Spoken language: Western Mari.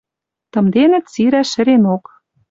Тымденӹт сирӓш шӹренок.